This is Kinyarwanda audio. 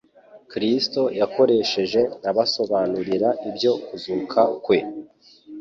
Kristo yakoresheje abasobanurira ibyo kuzuka kwe.